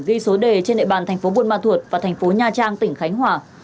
ghi số đề trên nệ bàn thành phố buôn ma thuật và thành phố nha trang tỉnh khánh hòa